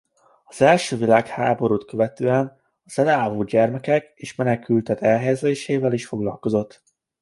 Az első világháborút követően az elárvult gyermekek és menekültek elhelyezésével is foglalkozott.